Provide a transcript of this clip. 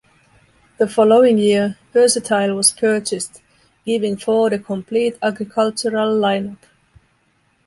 The following year, Versatile was purchased, giving Ford a complete agricultural lineup.